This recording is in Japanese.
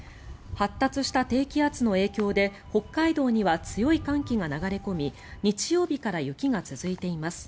発達した低気圧の影響で北海道には強い寒気が流れ込み日曜日から雪が続いています。